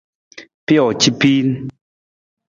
Pijoo ca piin.